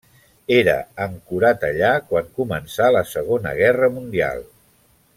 Era ancorat allà quan començà la Segona Guerra Mundial.